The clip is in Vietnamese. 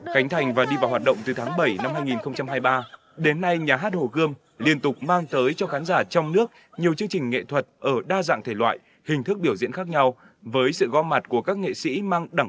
khánh thành và đi vào hoạt động từ tháng bảy năm hai nghìn hai mươi ba đến nay nhà hát hồ gươm liên tục mang tới cho khán giả trong nước nhiều chương trình nghệ thuật ở đa dạng thể loại hình thức biểu diễn khác nhau với sự gom mặt của các nghệ sĩ mang